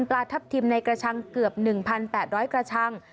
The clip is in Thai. ปลาทับทิมในกระชังเกือบ๑๘๐๐กระชัง